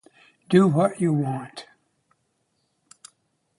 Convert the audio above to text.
Do what you want.